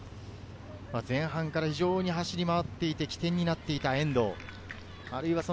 前半から非常に走り回って、起点になっていった遠藤。